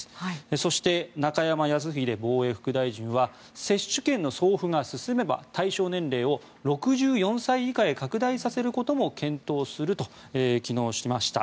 そして、中山泰秀防衛副大臣は接種券の送付が進めば対象年齢を６４歳以下へ拡大させることも昨日、検討するとしました。